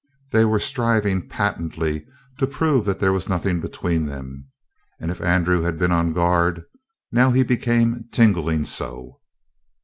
They were striving patently to prove that there was nothing between them; and if Andrew had been on guard, now he became tinglingly so.